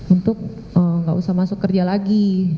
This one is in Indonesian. untuk nggak usah masuk kerja lagi